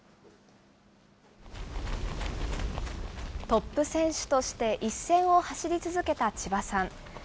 トップ選手として一線を走り続けた千葉さん。